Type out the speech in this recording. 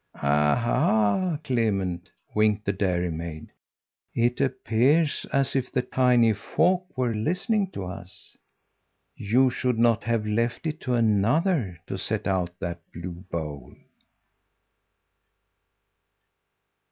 "Aha, Clement!" winked the dairymaid, "it appears as if the tiny folk were listening to us. You should not have left it to another to set out that blue bowl!"